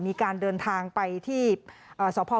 มีการเดินทางไปที่อ๋อสพเมริงนทบุรี